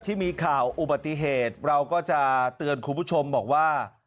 ที่มีข่าวอุบัติเหตุเราก็จะเตือนคุณผู้ชมบอกว่า